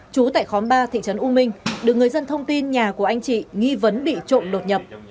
trú tại khóm ba thị trấn u minh được người dân thông tin nhà của anh chị nghi vấn bị trộm đột nhập